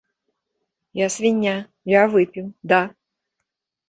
Я свіння, я выпіў, да!